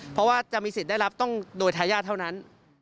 เพราะว่าจะมีสิทธิ์ได้รับต้องโดยทายาทเท่านั้น